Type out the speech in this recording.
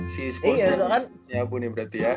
si spurs yang nyabu nih berarti ya